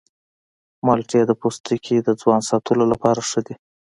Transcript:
مالټې د پوستکي د ځوان ساتلو لپاره ښه دي.